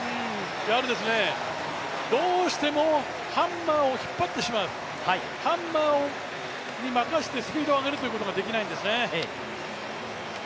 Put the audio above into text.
やはりどうしてもハンマーを引っ張ってしまう、ハンマーにまかしてスピードを上げるということができないんですね。